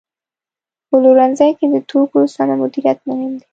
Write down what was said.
په پلورنځي کې د توکو سمه مدیریت مهم دی.